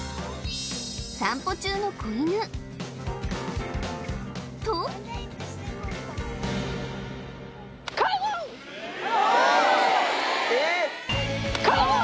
散歩中の子犬とえっ！？